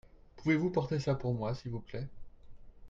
Pouvez-vous porter ça pour moi s'il vous plait.